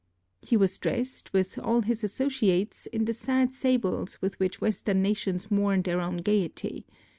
He was dressed, with all his associates, in the sad sables with which Western nations mourn their own gayety.